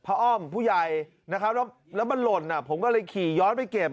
พระอ้อมพ่อใหญ่แล้วมันหล่นผมก็เลยขี่ย้อนไปเก็บ